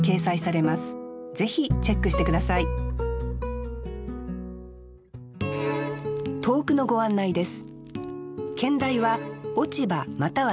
ぜひチェックして下さい投句のご案内です